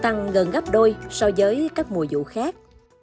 tăng gần gấp đôi so với các mùa vụ khác